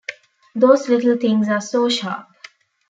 Those little things are so sharp!